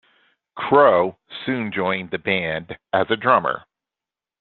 Crowe soon joined the band as a drummer.